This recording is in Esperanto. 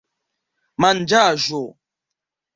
manĝaĵo